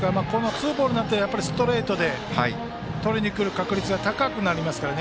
ツーボールになってからストレートでとりにくる確率が高くなるので。